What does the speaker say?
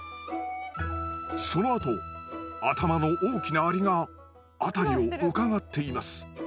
そのあと頭の大きなアリが辺りをうかがっています。